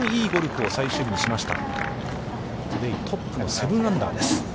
トゥデイトップの７アンダーです。